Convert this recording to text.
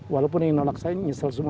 walaupun yang nolak saya nyesel semua